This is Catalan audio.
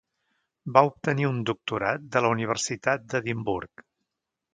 Va obtenir un doctorat de la Universitat d'Edimburg.